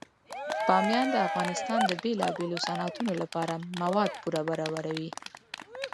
بامیان د افغانستان د بیلابیلو صنعتونو لپاره مواد پوره برابروي.